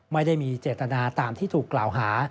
ไม่ได้มีเจตนาตามที่ถูกกล่าวหา